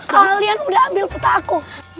kalian udah ambil petaku